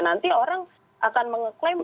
nanti orang akan mengklaim